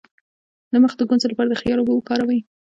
د مخ د ګونځو لپاره د خیار اوبه وکاروئ